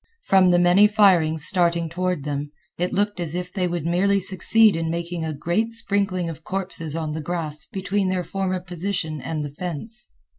From the many firings starting toward them, it looked as if they would merely succeed in making a great sprinkling of corpses on the grass between their former position and the fence.